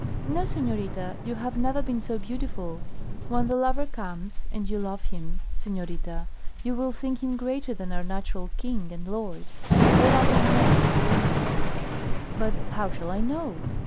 "No, senorita, you have never been so beautiful. When the lover comes and you love him, senorita, you will think him greater than our natural king and lord, and all other men poor Indians." "But how shall I know?"